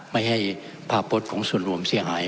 ไม่ให้ภาพฤทธิ์ของส่วนรวมที่จะหาย